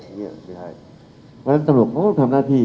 เพราะฉะนั้นตำรวจเขาก็ทำหน้าที่